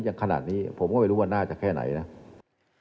ยังขณะนี้ผมก็ไม่รู้ว่าหน้าจะแค่ไหนนะ